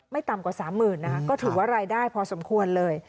ไม่ต่ำกว่าสามหมื่นนะครับก็ถือว่ารายได้พอสมควรเลย